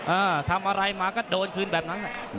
เออทำอะไรมาก็โดนคืนแบบนั้น